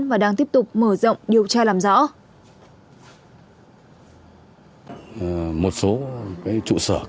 và đang tiếp tục mở rộng điều tra làm rõ